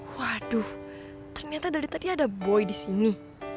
waduh ternyata dari tadi ada boy disini